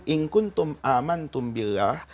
inqun tum aman tum billah